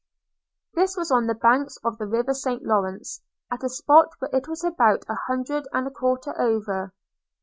This was on the banks of the river St Lawrence, at a spot where it was about a mile and a quarter over.